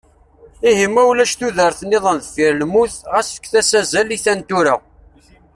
Ihi ma ulac tudert-iḍen deffir lmut, ɣas fket-as azal i ta n tura.